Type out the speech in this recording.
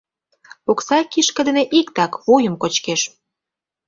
Окса кишке дене иктак: вуйым кочкеш.